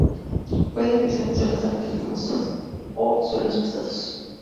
Puede crecer en suelos de arena, limosos o suelos pesados.